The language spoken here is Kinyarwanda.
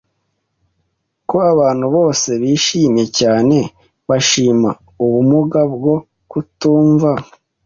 Ko abantu bose bishimye cyane bashima ubumuga bwo kutumva